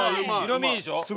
色みいいでしょ？